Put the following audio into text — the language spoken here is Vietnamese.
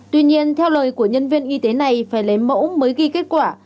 tuy nhiên theo lời của nhân viên y tế này phải lấy mẫu mới ghi kết quả